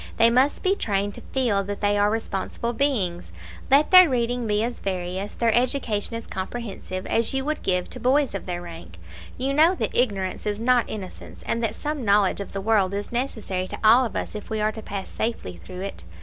They must be trained to feel that they are responsible beings: let their reading be as various, their education as comprehensive, as you would give to boys of their rank. You know that ignorance is not innocence, and that some knowledge of the world is necessary to all of us if we are to pass safely through it.